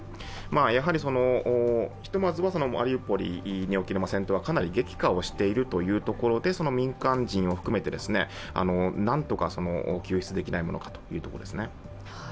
やはり、ひとまずはマリウポリにおける戦闘はかなり激化していることがいえて民間人を含めてなんとか救出できないものかというところですね。